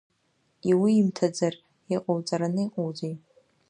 Иуимҭаӡар иҟоуҵараны иҟоузеи!